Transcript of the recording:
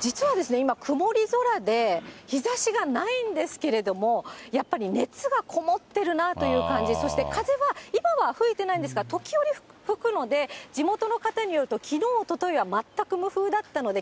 実はですね、今、曇り空で、日ざしがないんですけれども、やっぱり熱がこもってるなという感じ、そして風は今は吹いてないんですが、時折吹くので、地元の方によると、きのう、おとといは全く無風だったので、